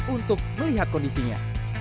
untuk melihat kondisinya